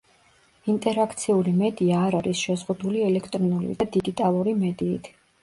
ინტერაქციული მედია არ არის შეზღუდული ელექტრონული და დიგიტალური მედიით.